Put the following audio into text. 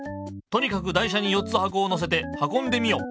とにかく台車に４つはこをのせてはこんでみよう。